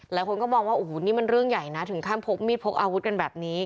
หลายคนก็มองว่าโอ้โหนี่มันเรื่องใหญ่นะถึงขั้นพกมีดพกอาวุธกันแบบนี้